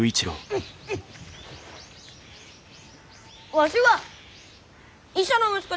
わしは医者の息子ですき。